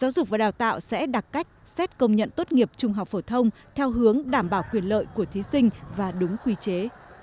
họ sẽ đặt cách xét công nhận tốt nghiệp trung học phổ thông theo hướng đảm bảo quyền lợi của thí sinh và đúng quy chế